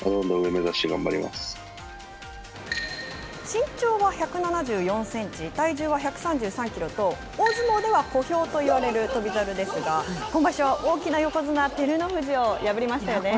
身長は１７４センチ、体重は１３３キロと、大相撲では小兵といわれる翔猿ですが、今場所は大きな横綱・照ノ富士を破りましたよね。